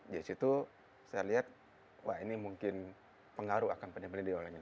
disitu saya lihat wah ini mungkin pengaruh akan penyempelan di all england